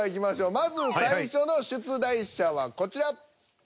まず最初の出題者はこちら。